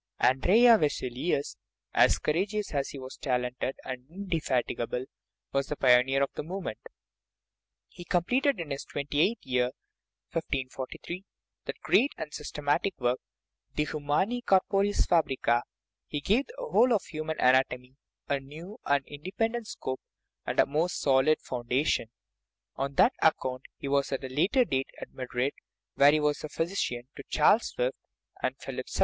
Andreas Vesalius, as courageous as he was talented and indefatigable, was the pioneer of the movement ; he completed in his twenty eighth year (1543) that great and systematic work De humani cor poris fabrica; he gave to the whole of human anat omy a new and independent scope and a more solid foundation. On that account he was, at a later date, at Madrid where he was physician to Charles V. and Philip II.